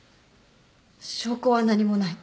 証拠は何もない。